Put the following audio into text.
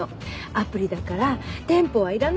アプリだから店舗はいらないし。